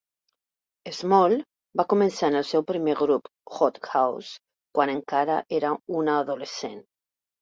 Small va començar en el seu primer grup, Hot House, quan encara era una adolescent.